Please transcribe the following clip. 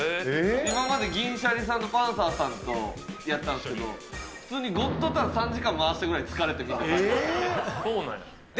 今まで銀シャリさんとパンサーさんとやったんですけど、普通にゴットタン、３時間回すぐらい疲れる感じなんで。